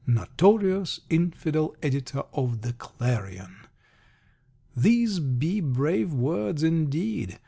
"Notorious Infidel Editor of the Clarion!" These be brave words, indeed.